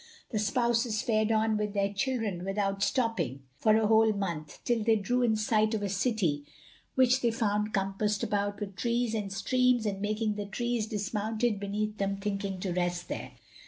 The spouses fared on with their children, without stopping, for a whole month, till they drew in sight of a city, which they found compassed about with trees and streams and making the trees dismounted beneath them thinking to rest there.